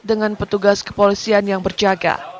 dengan petugas kepolisian yang berjaga